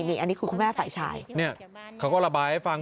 นี่อันนี้คือแม่ไฝชายเขาก็ระบายให้ฟัง